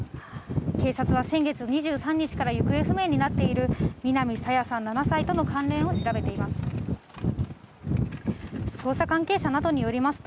警察は先月２３日から行方不明になっている、南朝芽さん７歳との関連を調べています。